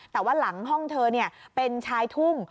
แต่ว่าหลังห้องเธอเป็นชายทุ่ง